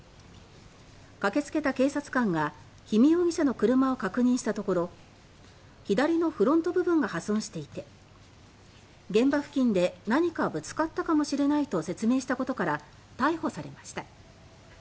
駆けつけた警察官が氷見容疑者の車を確認したところ左のフロント部分が破損していて「現場付近で何かぶつかったかもしれない」と説明したことから逮捕されました。